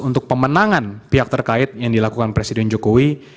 untuk pemenangan pihak terkait yang dilakukan presiden jokowi